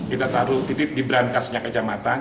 kita taruh titip di berangkasnya kecamatan